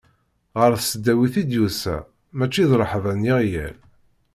Ɣer tesdawit i d-yusa, mačči d rreḥba n yeɣyal.